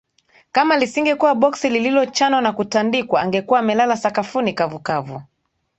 Kama lisingekuwa boksi lililochanwa na kutandikwa angekuwa amelala sakafuni kavukavu